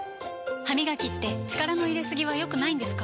歯みがきって力の入れすぎは良くないんですか？